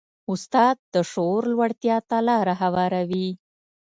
استاد د شعور لوړتیا ته لاره هواروي.